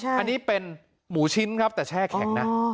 อันนี้เป็นหมูชิ้นครับแต่แช่แข็งนะ